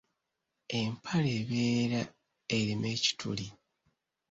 Empale ebeera erimu ekituli.